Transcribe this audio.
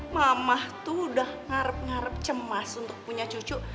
mamah tuh udah ngarep ngarep cemas untuk punya cucu